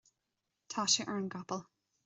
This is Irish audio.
tá sé ar an gcapall